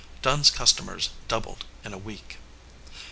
Dunn s customers doubled in a week.